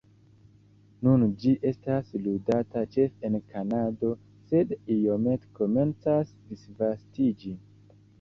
Nun ĝi estas ludata ĉefe en Kanado, sed iomete komencas disvastiĝi.